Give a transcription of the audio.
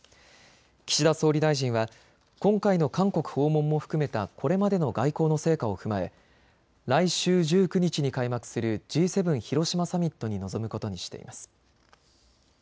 岸田総理大臣は今回の韓国訪問も含めたこれまでの外交の成果を踏まえ、来週１９日に開幕するＧ７広島サミットに臨むことにしています。